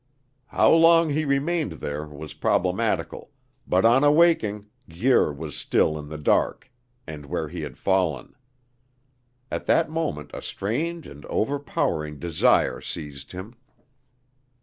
How long he remained there was problematical, but on awaking Guir was still in the dark, and where he had fallen. At that moment a strange and overpowering desire seized him.